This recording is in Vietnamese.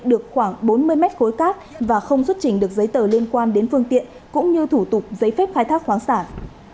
được khoảng bốn mươi mét khối cát và không xuất trình được giấy tờ liên quan đến phương tiện cũng như thủ tục giấy phép khai thác khoáng sản